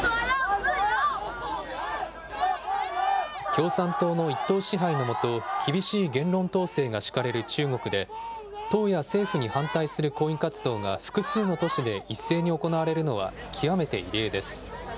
共産党の一党支配の下、厳しい言論統制が敷かれる中国で、党や政府に反対する抗議活動が複数の都市で一斉に行われるのは極めて異例です。